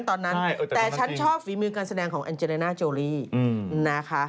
แต่ฉันชอบฝีมือการแสดงของแอนเจรน่าโจรีนะคะ